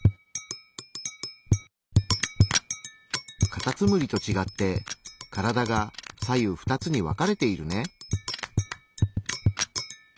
カタツムリと違って体が左右２つに分かれているね。